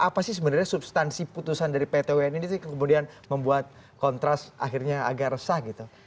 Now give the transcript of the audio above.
apa sih sebenarnya substansi putusan dari pt un ini sih kemudian membuat kontras akhirnya agak resah gitu